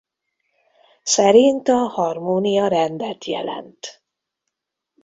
Szerint a harmónia rendet jelent.